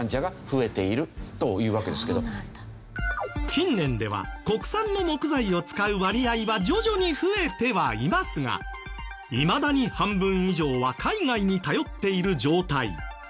近年では国産の木材を使う割合は徐々に増えてはいますがいまだに半分以上は海外に頼っている状態。